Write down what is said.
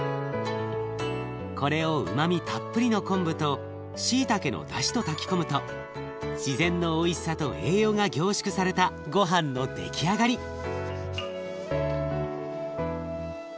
これをうまみたっぷりの昆布としいたけのだしと炊き込むと自然のおいしさと栄養が凝縮されたごはんの出来上がり。